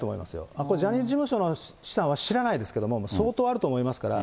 やっぱりジャニーズ事務所の資産は知らないですけども、相当あると思いますから。